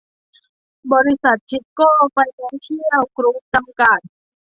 บริษัท ทิสโก้ไฟแนนเชียลกรุ๊ป จำกัด